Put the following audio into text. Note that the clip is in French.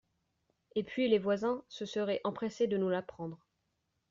Et puis les voisins se seraient empressés de nous l’apprendre